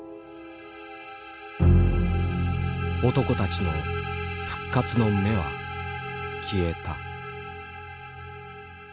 男たちの復活の目は消えた。